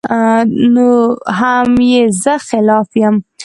نو هم ئې زۀ خلاف يم